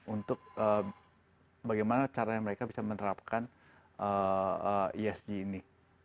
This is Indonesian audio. untuk bagaimana cara yang mereka bisa menerapkan esg ini